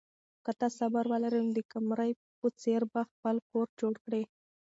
که ته صبر ولرې نو د قمرۍ په څېر به خپل کور جوړ کړې.